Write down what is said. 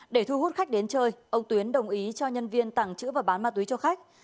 để thu hút khách đến chơi ông tuyến đồng ý cho nhân viên tàng trữ và bán ma túy cho khách